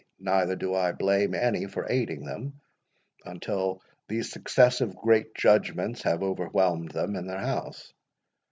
Neither do I blame any for aiding them, until these successive great judgments have overwhelmed them and their house.